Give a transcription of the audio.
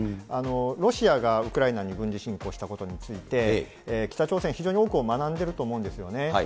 ロシアがウクライナに軍事侵攻したことについて、北朝鮮、非常に多くを学んでると思うんですよね。